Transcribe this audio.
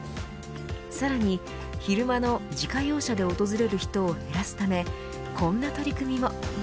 さらに、昼間の自家用車で訪れる人を減らすためこんな取り組みも。